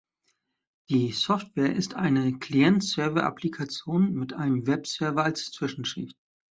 Die Software ist eine Client-Server-Applikation mit einem Webserver als Zwischenschicht.